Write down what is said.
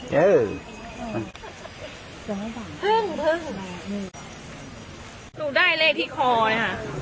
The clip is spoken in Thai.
หนูได้เลขที่คอเนี่ยค่ะ